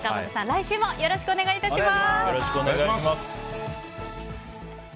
来週もよろしくお願いします。